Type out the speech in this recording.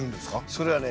それはね